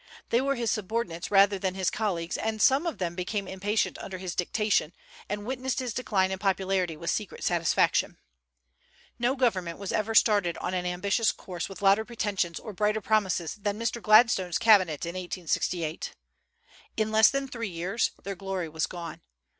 They were his subordinates rather than his colleagues; and some of them became impatient under his dictation, and witnessed his decline in popularity with secret satisfaction. No government was ever started on an ambitious course with louder pretensions or brighter promises than Mr. Gladstone's cabinet in 1868. In less than three years their glory was gone.